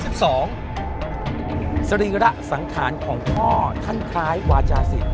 สรีระสังขารของพ่อท่านคล้ายวาจาศิษย